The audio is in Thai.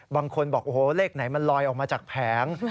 บางคนบอกโอ้โหเลขไหนมันลอยออกมาจากแผง